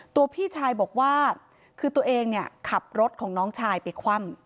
พี่ชายบอกว่าคือตัวเองเนี่ยขับรถของน้องชายไปคว่ำ